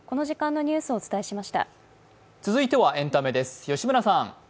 続いてはエンタメです。